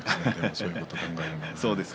そういうことを考えるのは。